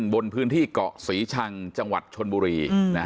บนพื้นที่เกาะศรีชังจังหวัดชนบุรี